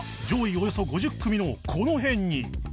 およそ５０組のこの辺に